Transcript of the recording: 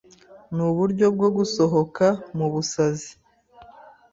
Nuburyo bwo gusohoka mu busazi